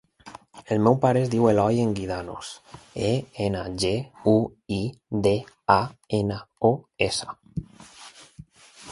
El meu pare es diu Eloy Enguidanos: e, ena, ge, u, i, de, a, ena, o, essa.